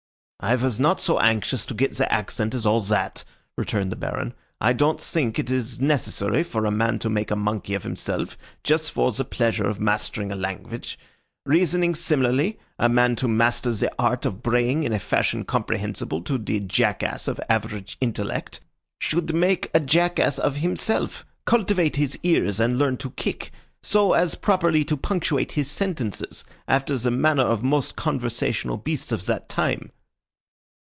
"I was not so anxious to get the accent as all that," returned the Baron. "I don't think it is necessary for a man to make a monkey of himself just for the pleasure of mastering a language. Reasoning similarly, a man to master the art of braying in a fashion comprehensible to the jackass of average intellect should make a jackass of himself, cultivate his ears, and learn to kick, so as properly to punctuate his sentences after the manner of most conversational beasts of that kind."